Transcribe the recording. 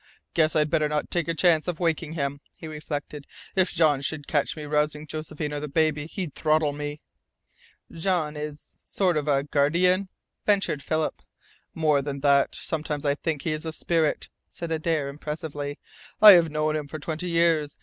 "Guess I'd better not take a chance of waking him," he reflected. "If Jean should catch me rousing Josephine or the baby he'd throttle me." "Jean is a sort of guardian," ventured Philip. "More than that. Sometimes I think he is a spirit," said Adare impressively. "I have known him for twenty years.